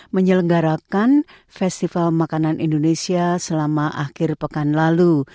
menyelenggarakan festival makanan indonesia selama akhir pekan lalu